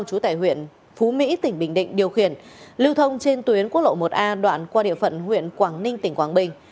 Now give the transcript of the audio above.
trú tại huyện phú mỹ tỉnh bình định điều khiển lưu thông trên tuyến quốc lộ một a đoạn qua địa phận huyện quảng ninh tỉnh quảng bình